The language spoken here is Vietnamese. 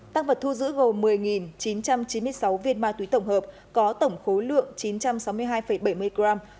tăng vật thu giữ gồm một mươi chín trăm chín mươi sáu viên ma túy tổng hợp có tổng khối lượng chín trăm sáu mươi hai bảy mươi gram